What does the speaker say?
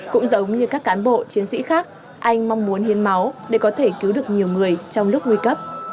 cũng giống như các cán bộ chiến sĩ khác anh mong muốn hiến máu để có thể cứu được nhiều người trong lúc nguy cấp